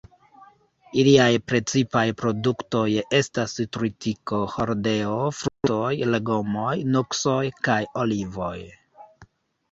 Iliaj precipaj produktoj estas tritiko, hordeo, fruktoj, legomoj, nuksoj, kaj olivoj.